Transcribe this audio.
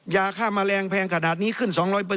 ยาฆ่าแมลงแพงขนาดนี้ขึ้น๒๐๐